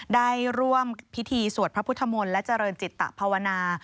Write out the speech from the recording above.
ได้ร่วมพิธีสวดพระพุทธมนตร์และเจริญจิตภาวนา